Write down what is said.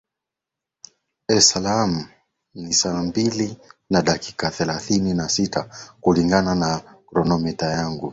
es salaam ni saa mbili na dakika thelathini na sita kulingana na chronomita yangu